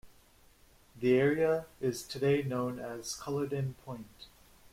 The area is today known as Culloden Point.